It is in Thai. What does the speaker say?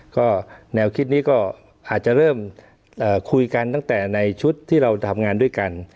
ก็แนวคิดนี้ก็อาจจะเริ่มคุยกันตั้งแต่ในชุดที่เราทำงานด้วยกัน